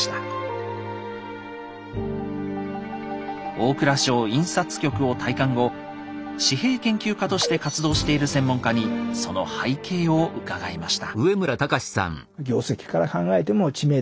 大蔵省印刷局を退官後紙幣研究家として活動している専門家にその背景を伺いました。